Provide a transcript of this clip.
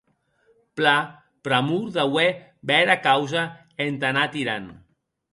Plan, pr'amor d'auer bèra causa entà anar tirant.